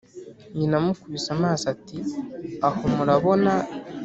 nyina amukubise amaso ati «aho murabona!